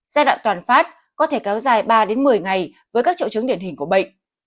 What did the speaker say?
giai đoạn toàn phát có thể kéo dài ba một mươi ngày với các triệu chứng điển hình của bệnh